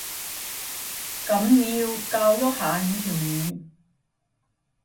噉你要教育下你條女